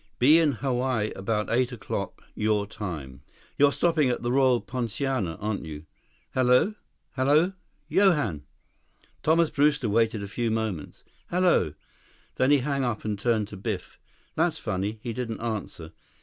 Be in Hawaii about eight o'clock your time.... You're stopping at the Royal Poinciana, aren't you?... Hello ... hello ... Johann?" Thomas Brewster waited a few moments. "Hello...." Then he hung up and turned to Biff. "That's funny. He didn't answer.